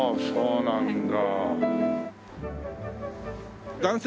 そうなんだ。